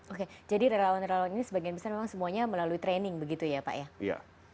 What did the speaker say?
oke jadi relawan relawan ini sebagian besar memang semuanya melalui training begitu ya pak ya